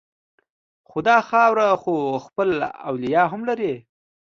خو دا خاوره خو خپل اولیاء هم لري